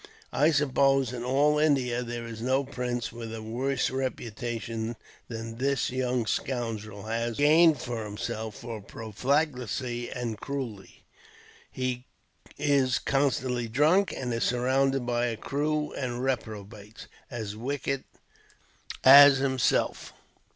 I suppose, in all India, there is no prince with a worse reputation than this young scoundrel has already gained for himself, for profligacy and cruelty. He is constantly drunk, and is surrounded by a crew of reprobates, as wicked as himself.